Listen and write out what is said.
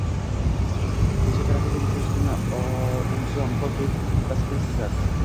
ikkinchi tarafiga mijozingiz imzo, muhr qo‘yib tasdiqlaysizlar.